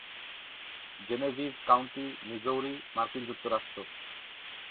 Genevieve County, Missouri, মার্কিন যুক্তরাষ্ট্র।